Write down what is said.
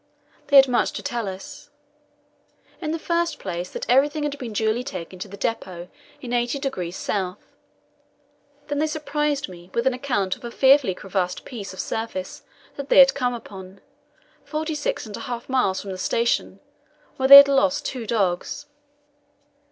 They had much to tell us. In the first place, that everything had been duly taken to the depot in 80°S. Then they surprised me with an account of a fearfully crevassed piece of surface that they had come upon, forty six and a half miles from the station, where they had lost two dogs.